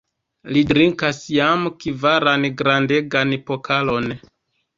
Li drinkas jam kvaran grandegan pokalon!